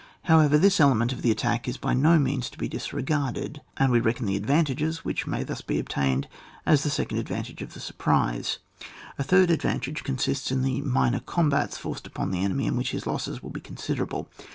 However, this element of the attack is bj no means to be dis regarded ; and we reckon the advantages which may be thus obtained, as the second advantage of the surprise. A third advantage consists in the minor combats forced upon the enemy in which his losses will be considerable.